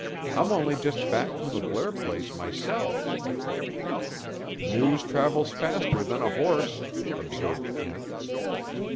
I'm only just back from the Blair place myself." "News travels faster than a horse," observed Kent.